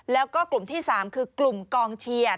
แล้วก็กลุ่มที่๓คือกลุ่มกองเชียร์